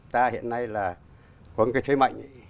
ta hiện nay là có một cái thế mạnh